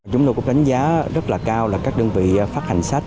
chúng tôi cũng đánh giá rất là cao là các đơn vị phát hành sách